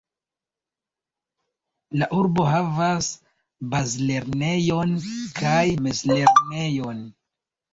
La urbo havas bazlernejon kaj mezlernejon.